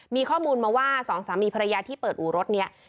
มีข้อมูลมาว่าสองสามีภรรยาที่เปิดอู่รถนี้